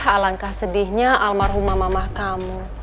alangkah sedihnya almarhumah mamah kamu